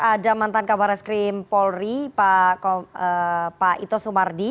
ada mantan kabar reskrim paul ri pak ito sumardi